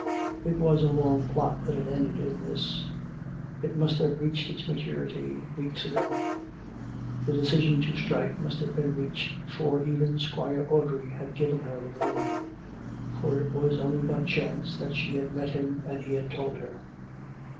It was a long plot that had ended in this: it must have readied its maturity weeks ago; the decis'ion to strike must have been reached before even Squire Audrey had given her the warning — for it was only by chance that she had met him and he had told her.